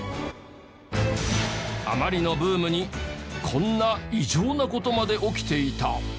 あまりのブームにこんな異常な事まで起きていた。